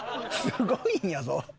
すごいんやぞ。